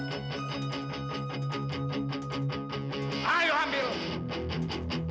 baiklah agar jika kita boleh mungkin don tar document of your life maid